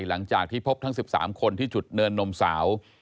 หลังจากที่พบทั้ง๑๓คนที่จุดเนินนมสาว